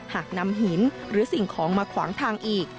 หากนำหินหรือสิ่งของมาขวางทางอีก